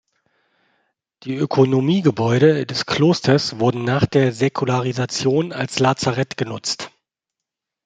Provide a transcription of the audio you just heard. Die Ökonomiegebäude des Klosters wurden nach der Säkularisation als Lazarett genutzt.